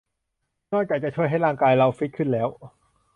นอกจากจะช่วยให้ร่างกายเราฟิตขึ้นแล้ว